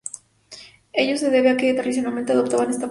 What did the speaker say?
Ello se debe a que, tradicionalmente, adoptaban esta forma.